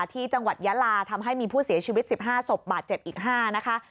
ที่จังหวัดยาลาทำให้มีผู้เสียชีวิต๑๕ศพบาดเจ็บอีก๕นะคะ